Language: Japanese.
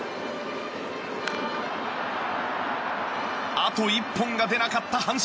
あと一本が出なかった阪神。